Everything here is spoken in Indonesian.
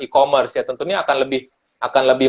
e commerce ya tentunya akan lebih